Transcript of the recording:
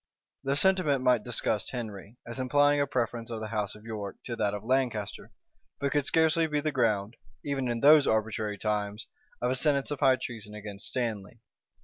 The sentiment might disgust Henry, as implying a preference of the house of York to that of Lancaster; but could scarcely be the ground, even in those arbitrary times, of a sentence of high treason against Stanley.